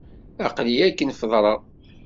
Aql-iyi akken feḍreɣ.